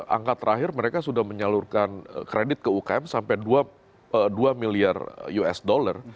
angka terakhir mereka sudah menyalurkan kredit ke ukm sampai dua miliar usd